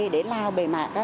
để lao bề mạc